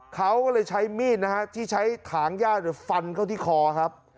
เขาก็เลยใช้มีดนะฮะที่ใช้ถางญาติฟันเข้าที่คอครับ